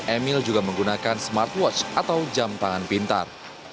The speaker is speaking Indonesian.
emil juga menggunakan smartwatch atau jam tangan pintar